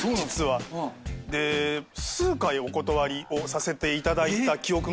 で数回お断りをさせていただいた記憶があるんです。